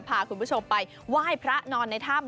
พาคุณผู้ชมไปไหว้พระนอนในถ้ำ